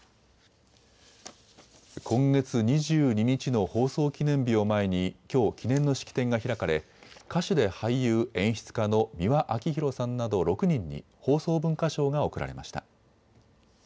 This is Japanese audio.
今月２２日の放送記念日を前にきょう記念の式典が開かれ歌手で俳優、演出家の美輪明宏さんなど６人に放送文化賞が贈られました。